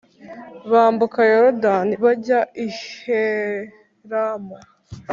bambuka Yorodani bajya i Helamu.